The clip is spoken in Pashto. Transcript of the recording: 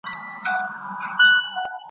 موږ د ټولنې د اصلاح لپاره کار کوو.